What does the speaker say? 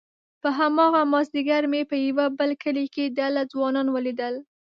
په هماغه مازيګر مې په يوه بل کلي کې ډله ځوانان وليدل،